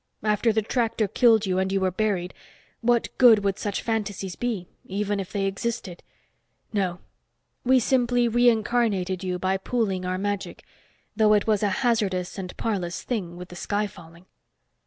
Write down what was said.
After the tractor killed you, and you were buried, what good would such fantasies be, even if they existed? No, we simply reincarnated you by pooling our magic. Though it was a hazardous and parlous thing, with the sky falling...."